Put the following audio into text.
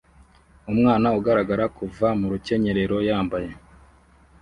Umwana ugaragara kuva mu rukenyerero yambaye